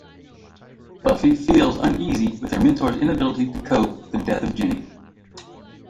Buffy feels uneasy with her mentor's inability to cope with the death of Jenny.